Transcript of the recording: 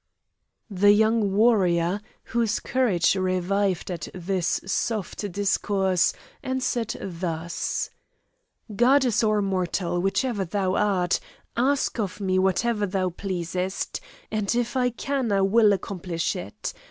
The young warrior, whose courage revived at this soft discourse, answered thus: "Goddess or mortal, whichever thou art, ask of me whatever thou pleasest, and if I can I will accomplish it.